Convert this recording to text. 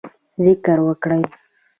ذکر وکړئ